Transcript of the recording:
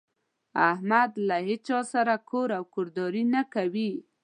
احمد له هيچا سره کور او کورداري نه کوي.